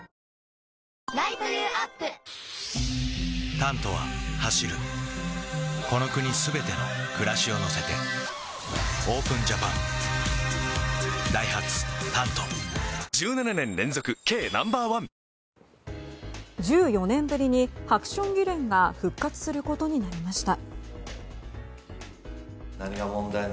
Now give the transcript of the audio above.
「タント」は走るこの国すべての暮らしを乗せてＯＰＥＮＪＡＰＡＮダイハツ「タント」１７年連続軽ナンバーワン１４年ぶりにハクション議連が復活することになりました。